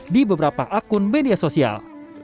di beberapa akun media sosial